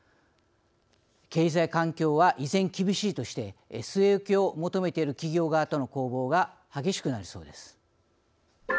経済環境は依然厳しいとして据え置きを求めている企業側との攻防が激しくなりそうです。